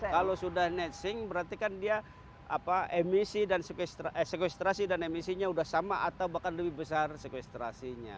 kalau sudah net sink berarti kan dia emisi dan sequestrasi dan emisinya udah sama atau bahkan lebih besar sequestrasinya